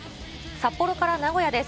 札幌から名古屋です。